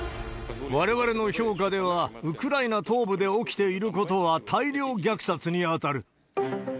われわれの評価では、ウクライナ東部で起きていることは大量虐殺に当たる。